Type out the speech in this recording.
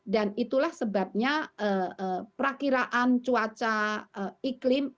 dan itulah sebabnya perakiraan cuaca iklim